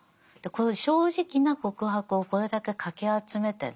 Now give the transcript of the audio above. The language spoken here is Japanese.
正直な告白をこれだけかき集めてね